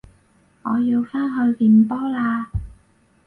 我要返去練波喇